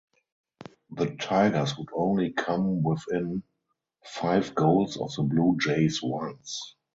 The Tigers would only come within five goals of the Blue Jays once.